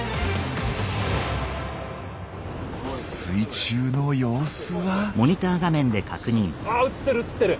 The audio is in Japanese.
水中の様子は。